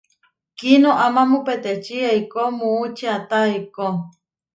Kinoamámu petečí eikó muú čiata eikó.